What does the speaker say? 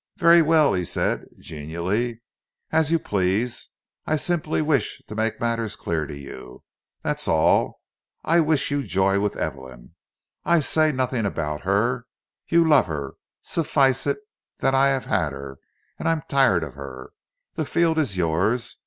"Very well," he said genially. "As you please. I simply wish to make matters clear to you, that's all. I wish you joy with Evelyn. I say nothing about her—you love her. Suffice it that I've had her, and I'm tired of her; the field is yours.